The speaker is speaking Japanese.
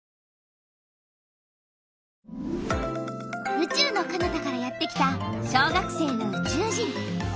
うちゅうのかなたからやってきた小学生のうちゅう人！